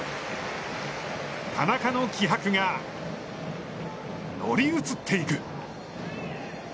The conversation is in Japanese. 田中の気迫が乗り移っていく。